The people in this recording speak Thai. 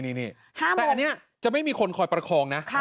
แต่อันนี้จะไม่มีคนคอยประคองนะ